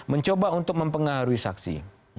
mencoba untuk mempengaruhi saksi